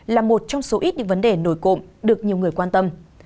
là một trong số ít những vấn đề nổi cộm được nhiều người quan tâm